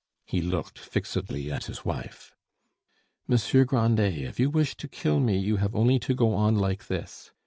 He looked fixedly at his wife. "Monsieur Grandet, if you wish to kill me, you have only to go on like this.